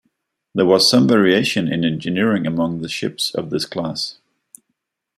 There was some variation in engineering among the ships of this class.